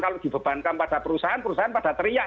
kalau dibebankan pada perusahaan perusahaan pada teriak